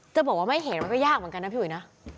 จะบอกว่าไม่เห็นมันก็ยากเหมือนกันนะพี่อุ๋ยนะ